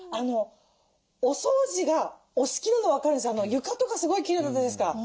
お掃除がお好きなの分かるし床とかすごいきれいだったじゃないですか。